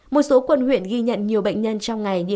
một số quân huyện ghi nhận nhiều bệnh nhân trong ngày như